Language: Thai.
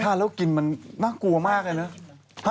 ทานแล้วกินมันน่ากลัวมากเลยนะ